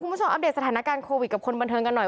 คุณผู้ชมอัพเดทสถานการณ์โควิดกับคนบันเทิมกันหน่อย